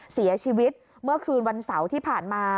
เสียชีวิตเมื่อคืนวันเสาร์ที่ผ่านมา